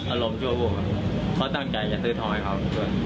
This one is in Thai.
อารมณ์ช่วยพวกมันเพราะตั้งใจจะซื้อทองให้เขา